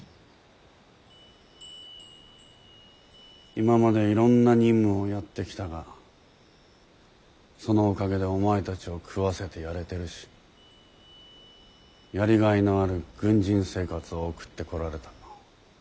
今までいろんな任務をやってきたがそのおかげでお前たちを食わせてやれてるしやりがいのある軍人生活を送ってこられた。